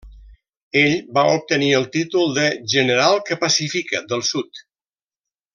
Ell va obtenir el títol de General Que Pacífica del Sud.